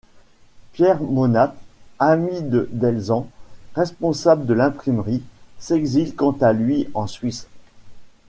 Pierre Monatte, ami de Delzant, responsable de l'imprimerie, s'exile quant à lui en Suisse.